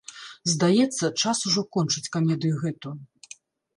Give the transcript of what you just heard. Здаецца, час ужо кончыць камедыю гэту.